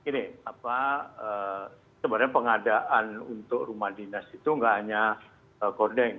sebenarnya pengadaan untuk rumah dinas itu enggak hanya gorden ya